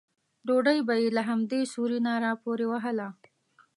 ډوډۍ به یې له همدې سوري نه راپورې وهله.